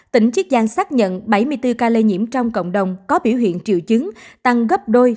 tỉnh chiết giang xác nhận bảy mươi bốn ca lây nhiễm trong cộng đồng có biểu hiện triệu chứng tăng gấp đôi